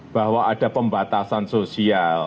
bahwa ada pemerintah pemerintah dan pemerintah yang berbeda